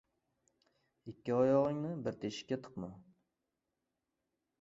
• Ikki oyog‘ingni bir teshikka tiqma.